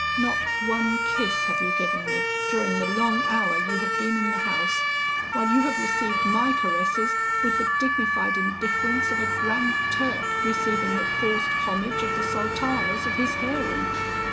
Not one kiss have you given me during the long hour you have been in the house, while you have received my caresses with the dignified indifference of a Grand Turk, receiving the forced homage of the Sultanas of his harem.'